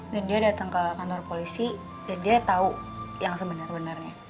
dan dia datang ke kantor polisi dan dia tahu yang sebenarnya